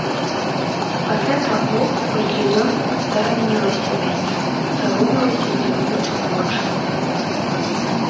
Пасля таго колькі дзён старанілася мяне, саромелася зірнуць у вочы.